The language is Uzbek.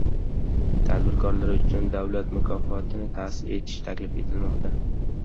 Tadbirkorlar uchun davlat mukofotini ta’sis etish taklif etilmoqda